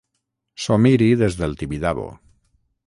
S'ho miri des del Tibidabo.